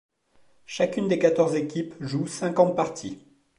Chacune des quatorze équipes joue cinquante parties.